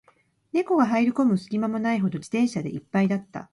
猫が入る込む隙間もないほど、自転車で一杯だった